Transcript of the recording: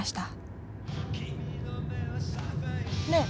ねえ？